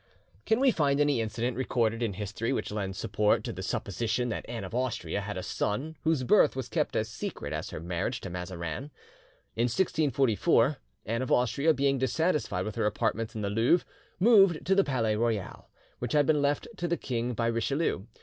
Can we find any incident recorded in history which lends support to the supposition that Anne of Austria had a son whose birth was kept as secret as her marriage to Mazarin? "In 1644, Anne of Austria being dissatisfied with her apartments in the Louvre, moved to the Palais Royal, which had been left to the king by Richelieu.